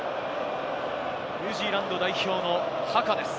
ニュージーランド代表のハカです。